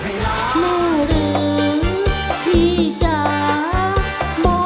มาเริ่มพี่จ้า